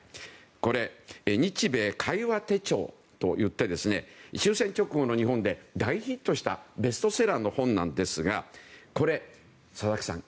これ「日米會話手帳」といって終戦直後の日本で大ヒットしたベストセラーの本なんですがこれ、佐々木さん